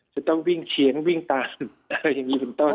จะต้องวิ่งเชียงวิ่งตามอะไรอย่างนี้เป็นต้น